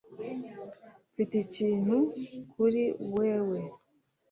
Mfite ikintu kuri wewe